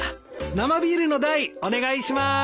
生ビールの大お願いします。